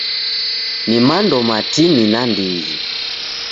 Ni mando matini nandighi.